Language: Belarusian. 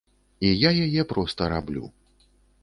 І я яе проста раблю.